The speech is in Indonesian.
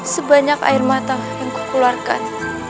sebanyak air mata yang kukularkan